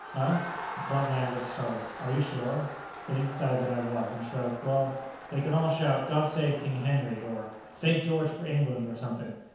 "Huh?" The plump man looked startled. "Are you sure?" Then he decided that I was, and shrugged. "Well, they can all shout, 'God Save King Henry!' or 'St. George for England!' or something.